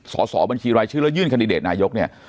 สอบบัญชีรายชื่อแล้วยื่นคันดิเดตนายกเนี่ย